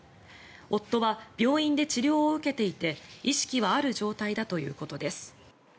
夫は病院で治療を受けていて意識はある状態だということです。